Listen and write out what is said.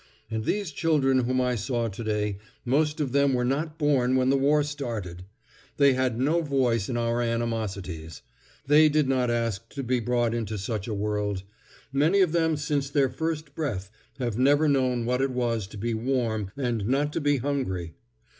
And these children whom I saw today, most of them were not born when the war started. They had no voice in our animosities. They did not ask to he brought into such a world. Many of them since their first breath, have never known what it was to be warm and not to be hungry.